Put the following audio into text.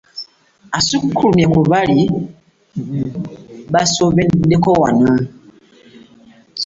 Osukkulumye ku baali basomeddeko wano!